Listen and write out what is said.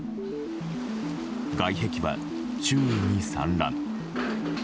外壁は周囲に散乱。